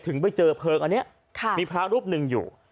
ถึงไปเจอเพลิงอันนี้มีพระรูปหนึ่งอยู่